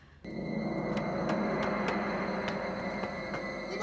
ibu buka bu